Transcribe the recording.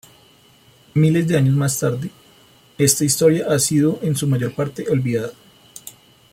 Miles de años más tarde, esta historia ha sido en su mayor parte olvidada.